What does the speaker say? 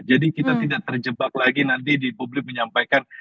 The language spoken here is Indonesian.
jadi kita tidak terjebak lagi nanti di publik menyampaikan